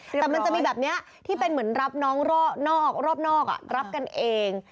แต่มันจะมีแบบนี้ที่เป็นเหมือนรับน้องนอกรอบนอกรับกันเอง